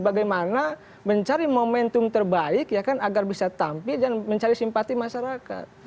bagaimana mencari momentum terbaik ya kan agar bisa tampil dan mencari simpati masyarakat